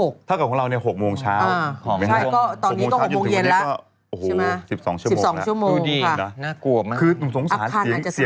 นักเลี้ยวของเรา๖๐๐นเช้าตอนนี้ก็๖๐๐นแล้ว